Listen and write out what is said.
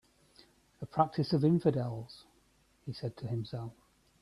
"A practice of infidels," he said to himself.